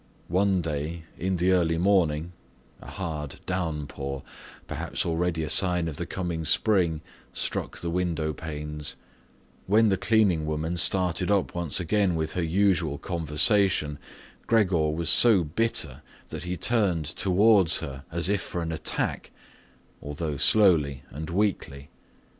One day in the early morning—a hard downpour, perhaps already a sign of the coming spring, struck the window panes—when the cleaning woman started up once again with her usual conversation, Gregor was so bitter that he turned towards her, as if for an attack, although slowly and weakly.